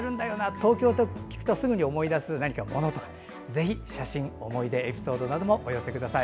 東京と聞くとすぐに思い出す何か、ものとかぜひ写真、思い出エピソードなどお寄せください。